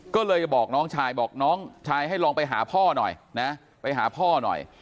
ก็เลยบอกน้องชายบอกน้องชายให้ลองไปหาพ่อหน่อยนะไปหาพ่อหน่อย